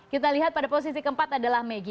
kita lihat pada posisi keempat adalah maggie